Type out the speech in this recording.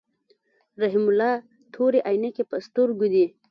رحیم الله تورې عینکی په سترګو دي.